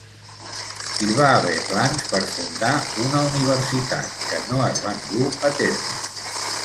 Hi va haver plans per fundar una universitat que no es van dur a terme.